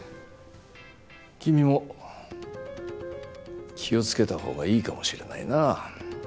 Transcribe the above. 君も気を付けたほうがいいかもしれないな。